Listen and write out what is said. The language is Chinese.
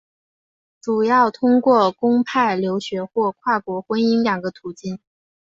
主要通过公派留学或跨国婚姻两个途径。